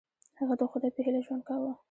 هغه د خدای په هیله ژوند کاوه.